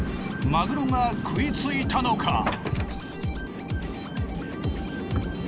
マグロが喰いついたのか！？